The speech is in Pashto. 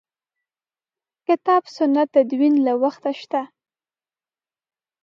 کتاب سنت تدوین له وخته شته.